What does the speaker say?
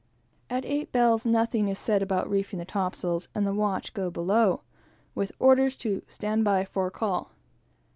At eight bells, nothing is said about reefing the topsails, and the watch go below, with orders to "stand by for a call."